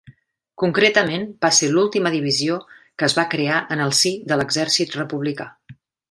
Concretament, va ser l'última divisió que es va crear en el si de l'Exèrcit republicà.